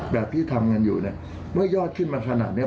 แบบที่ทำงานอยู่เนี้ยว่ายอดขึ้นมาขนาดเนี้ย